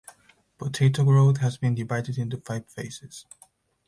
Potato growth has been divided into five phases.